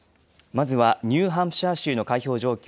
まずはニューハンプシャー州の開票状況。